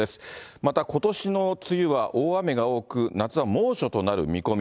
またことしの梅雨は大雨が多く、夏は猛暑となる見込み。